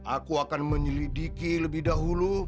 aku akan menyelidiki lebih dahulu